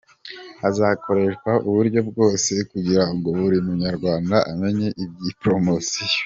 Hazakoreshwa uburyo bwose kugira ngo buri munyarwanda amenye iby'iyi Promosiyo.